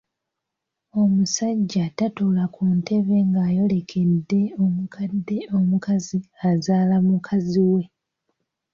Omusajja tatuula ku ntebe ng’ayolekedde omukadde omukazi azaala mukazi we.